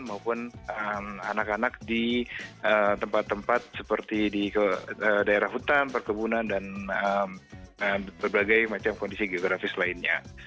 maupun anak anak di tempat tempat seperti di daerah hutan perkebunan dan berbagai macam kondisi geografis lainnya